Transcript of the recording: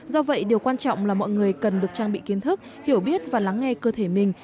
do vậy điều quan trọng là mọi người cần được trang bị kiến thức hiểu biết và lắng nghe cơ thể mình